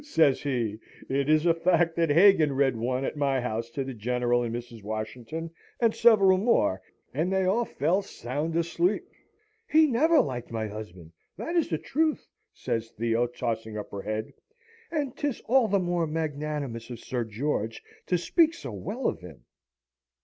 says he, "it's a fact that Hagan read one at my house to the General and Mrs. Washington and several more, and they all fell sound asleep!" "He never liked my husband, that is the truth!" says Theo, tossing up her head, "and 'tis all the more magnanimous of Sir George to speak so well of him."